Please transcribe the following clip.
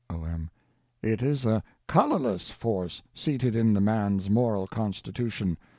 O.M. It is a _colorless _force seated in the man's moral constitution.